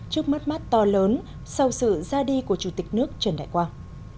trước mắt mắt to lớn sau sự ra đi của chủ tịch nước trần đại quang